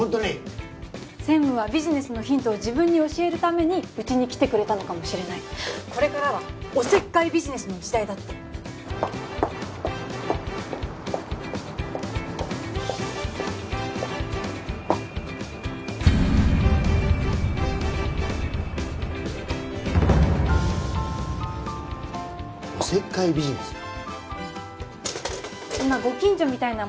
専務はビジネスのヒントを自分に教えるためにうちに来てくれたのかもしれないこれからはお節介ビジネスの時代だってお節介ビジネス？